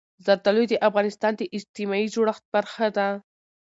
زردالو د افغانستان د اجتماعي جوړښت برخه ده.